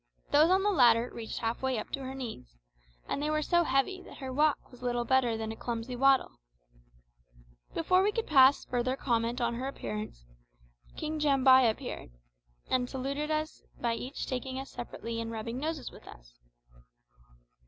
Those on the latter reached half way up to her knees, and they were so heavy that her walk was little better than a clumsy waddle. Before we could pass further comment on her appearance, King Jambai entered, and saluted us by taking us each separately and rubbing noses with us.